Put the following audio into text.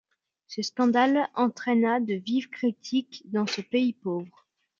Ce scandale entraîna de vives critiques dans ce pays pauvre.